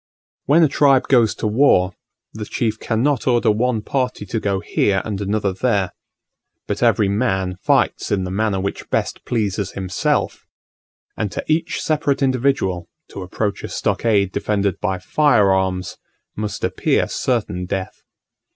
When a tribe goes to war, the chief cannot order one party to go here and another there; but every man fights in the manner which best pleases himself; and to each separate individual to approach a stockade defended by fire arms must appear certain death.